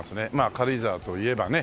軽井沢といえばね